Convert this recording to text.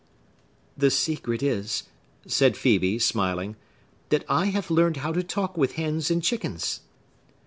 "The secret is," said Phœbe, smiling, "that I have learned how to talk with hens and chickens."